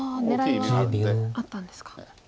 狙いはあったんですか。